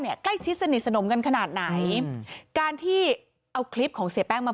ใกล้ชิดสนิทสนมกันขนาดไหนอืมการที่เอาคลิปของเสียแป้งมา